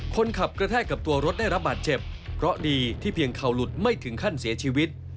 คนขับกระแทกกับตัวรถได้รับบาดเจ็บเพราะดีที่เพียงเข่าหลุดไม่ถึงขั้นเสียชีวิต